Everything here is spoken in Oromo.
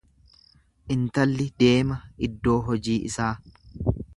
Intalli deema iddoo hojii isaa.